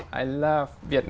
của các bạn